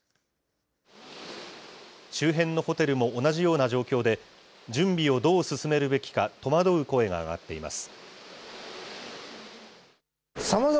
周辺のホテルも同じような状況で、準備をどう進めるべきか、戸惑う声が上がっています。